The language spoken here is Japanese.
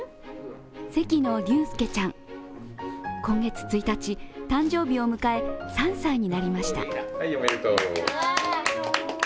関野竜佑ちゃん、今月１日、誕生日を迎え３歳になりました。